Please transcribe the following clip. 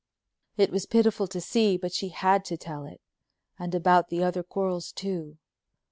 It was pitiful to see but she had to tell it, and about the other quarrels too.